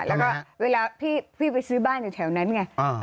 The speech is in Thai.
แล้วก็เวลาพี่ไปซื้อบ้านอยู่แถวนั้นไง